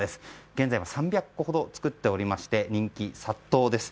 現在も３００個ほど作っておりまして人気殺到です。